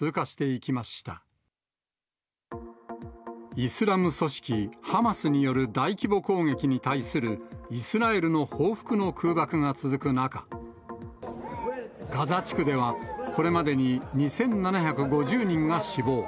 イスラム組織ハマスによる大規模攻撃に対するイスラエルの報復の空爆が続く中、ガザ地区ではこれまでに２７５０人が死亡。